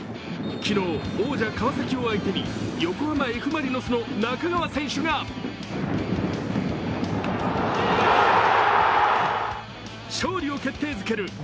昨日、王者・川崎を相手に横浜Ｆ・マリノスの中川選手が勝利を決定づける